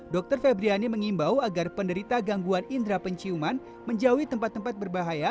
dr febriani mengimbau agar penderita gangguan indera penciuman menjauhi tempat tempat berbahaya